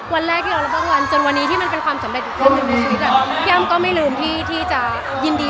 วันแรกคือเรารับรับวัตรจนวันนี้ที่เป็นความสำเร็จอีกช่วงหนึ่งในชีวิต